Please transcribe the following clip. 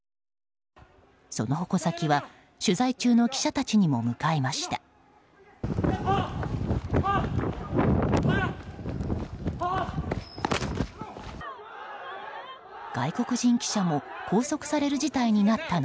その矛先は取材中の記者たちにも向かいました。